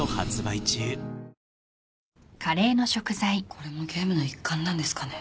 これもゲームの一環なんですかね？